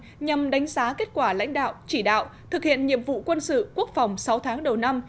nhằm đánh giá kết quả lãnh đạo chỉ đạo thực hiện nhiệm vụ quân sự quốc phòng sáu tháng đầu năm